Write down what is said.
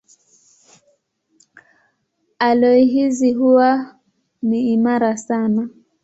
Aloi hizi huwa ni imara sana.